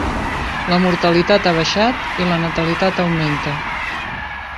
La mortalitat ha baixat i la natalitat augmenta.